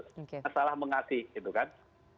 tidak salah mengasih gitu kan